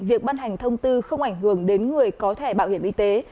việc ban hành thông tư không ảnh hưởng đến người có thẻ bảo hiểm y tế